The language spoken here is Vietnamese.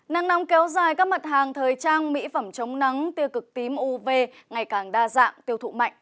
năng nóng kéo dài các mặt hàng thời trang mỹ phẩm chống nắng tiêu cực tím uv ngày càng đa dạng tiêu thụ mạnh